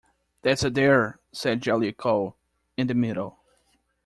"That's Adair," said Jellicoe, "in the middle."